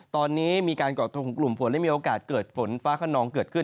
ตอนนี้มีการก่อตัวของกลุ่มฝนและมีโอกาสเกิดฝนฟ้าขนองเกิดขึ้น